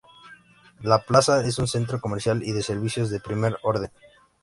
La plaza es un centro comercial y de servicios de primer orden.